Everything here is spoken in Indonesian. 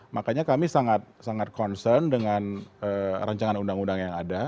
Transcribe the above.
makanya kami sangat concern dengan rancangan undang undang yang ada